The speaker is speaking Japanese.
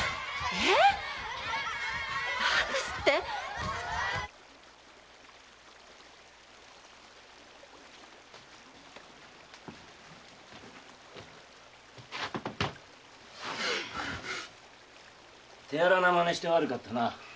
ええ⁉何ですって⁉手荒な真似をして悪かったな。